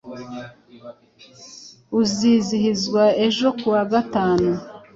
uzizihizwa ejo kuwa gatanu